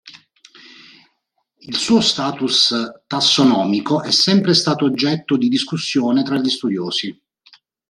Il suo status tassonomico è sempre stato oggetto di discussione tra gli studiosi.